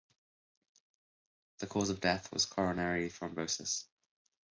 The cause of death was coronary thrombosis.